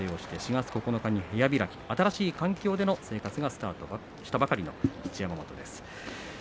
４月９日に部屋開き新しい環境での生活がスタートしたばかりです。